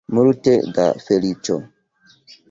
Multe da feliĉo.